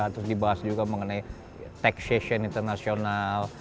terus dibahas juga mengenai taxation internasional